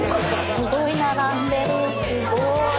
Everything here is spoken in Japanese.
すごい並んでるすごい。